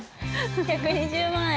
１２０万円。